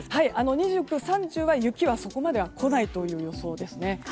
２９、３０は雪はそこまでは来ないという予想ですね。